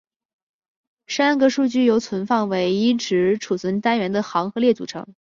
栅格数据由存放唯一值存储单元的行和列组成。